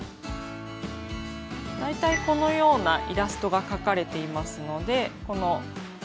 大体このようなイラストが描かれていますのでこの種類を選びます。